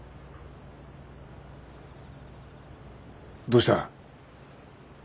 どうした？